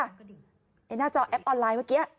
หน้าจอแอปออนไลน์เมื่อกี้